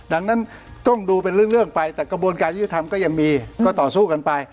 ดังนั้นต้องดูเป็นเรื่องไปแต่กระบวนการยุทธธรรมก็ยังมีก็ต่อสู้กันไป